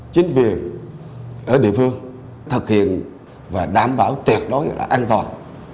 chính viên ở địa phương thực hiện và đảm bảo tuyệt đối an toàn